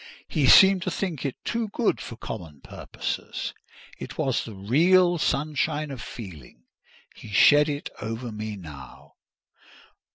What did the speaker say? He seemed to think it too good for common purposes: it was the real sunshine of feeling—he shed it over me now.